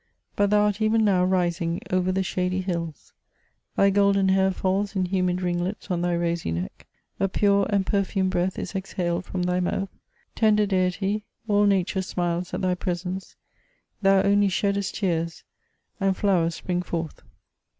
But thou art even now rising oyer the shady hills. Thy golden hair falls in humid ringlets on thy rosy neck. A pure and perfumed breath is exjialed ftt)m thy mouth. Tender deity, all nature smiles at tliy presence ; thou only sheddest tears, and flowers spring forth."